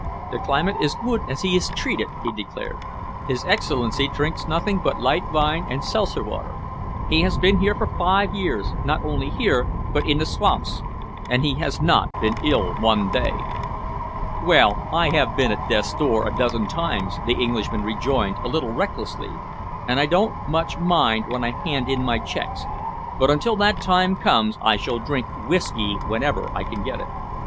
"The climate is good as he is treated," he declared. "His Excellency drinks nothing but light wine and seltzer water. He has been here for five years, not only here but in the swamps, and he has not been ill one day." "Well, I have been at death's door a dozen times," the Englishman rejoined a little recklessly, "and I don't much mind when I hand in my checks, but until that time comes I shall drink whisky whenever I can get it."